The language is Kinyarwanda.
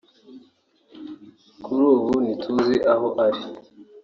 “Kuri ubu ntituzi aho ari